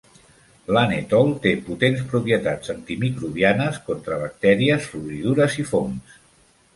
L'anetol té potents propietats antimicrobianes, contra bactèries, floridures i fongs.